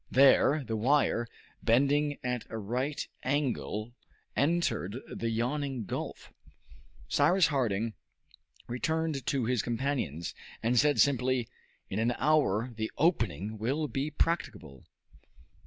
There the wire, bending at a right angle, entered the yawning gulf. Cyrus Harding returned to his companions, and said simply, "In an hour the opening will be practicable."